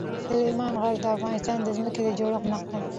سلیمان غر د افغانستان د ځمکې د جوړښت نښه ده.